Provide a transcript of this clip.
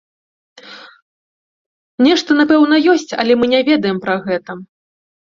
Нешта напэўна ёсць, але мы не ведаем пра гэта.